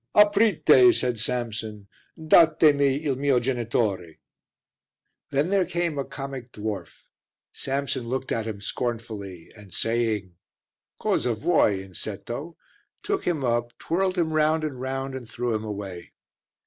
"Aprite," said Samson, "datemi il mio genitore." Then there came a comic dwarf; Samson looked at him scornfully, and saying "Cosa vuoi, Insetto?" took him up, twirled him round and round and threw him away.